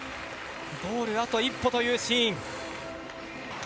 ゴールあと一歩というシーン。